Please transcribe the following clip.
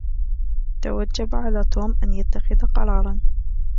توجب على توم أن يتخذ قرارا.